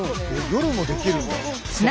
夜もできるんだ。